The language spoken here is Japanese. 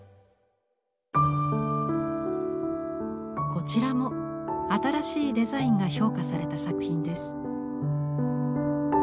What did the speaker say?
こちらも新しいデザインが評価された作品です。